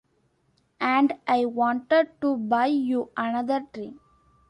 And I wanted to buy you another drink.